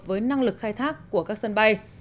với năng lực khai thác của các sân bay